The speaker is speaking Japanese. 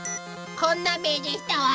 こんな目でしたわ。